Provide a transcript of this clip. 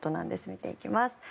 見ていきます。